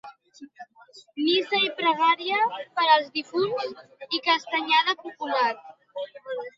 Missa i pregària per als difunts i castanyada popular.